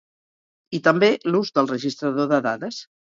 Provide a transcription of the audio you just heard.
I també l'ús del Registrador de dades.